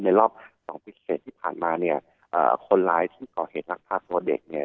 รอบสองปีเสร็จที่ผ่านมาเนี่ยคนร้ายที่ก่อเหตุลักพาตัวเด็กเนี่ย